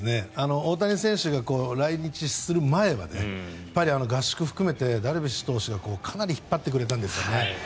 大谷選手が来日する前は合宿含めてダルビッシュ投手が、かなり引っ張ってくれたんですよね。